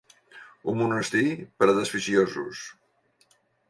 Un monestir per a desficiosos.